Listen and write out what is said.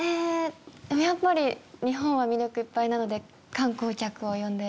やっぱり日本は魅力いっぱいなので観光客を呼んで。